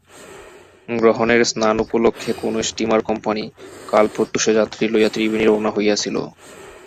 গ্রহণের স্নান-উপলক্ষে কোনো স্টীমার-কোম্পানি কাল প্রত্যুষে যাত্রী লইয়া ত্রিবেণী রওনা হইয়াছিল।